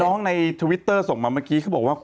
ในทวิตเตอร์ส่งมาเมื่อกี้เขาบอกว่า